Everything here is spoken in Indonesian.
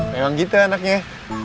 memang gitu anaknya